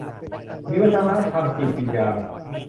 มีวัฒนธรรมจิตวิญญาณ